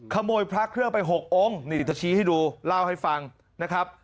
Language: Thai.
พระเครื่องไป๖องค์นี่จะชี้ให้ดูเล่าให้ฟังนะครับ